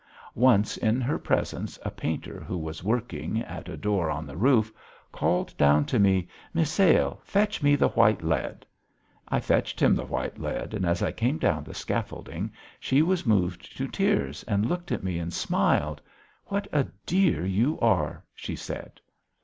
Once in her presence a painter who was working, at a door on the roof, called down to me: "Misail, fetch me the white lead." I fetched him the white lead and as I came down the scaffolding she was moved to tears and looked at me and smiled: "What a dear you are!" she said.